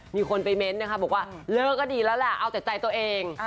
มีคนไปเม้นต์นะคะบอกว่าเลิกก็ดีแล้วแหละเอาแต่ใจตัวเอง